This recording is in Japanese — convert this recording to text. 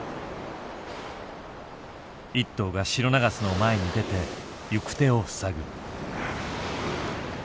１頭がシロナガスの前に出て行く手を塞ぐ。